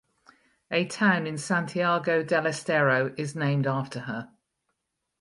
A town in Santiago del Estero is named after her.